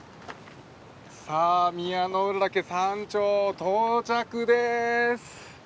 さあ宮之浦岳山頂到着です。